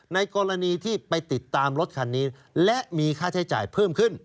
ในกรณีที่ไปติดตามรถคันนี้และมีค่าใช้จ่ายเพิ่มขึ้น